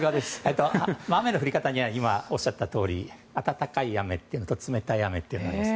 雨の降り方にはおっしゃったとおり温かい雨と冷たい雨があります。